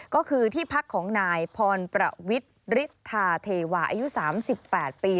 ก็คือที่พักของนายพรประวิทย์ฤทธาเทวาอายุ๓๘ปี